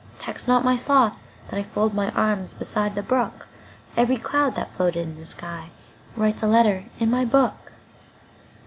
Tax not my sloth that IFold my arms beside the brook; Each cloud that floated in the skyWrites a letter in my book.